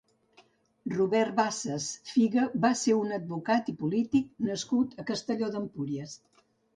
Robert Bassas Figa va ser un advocat i polític nascut a Castelló d'Empúries.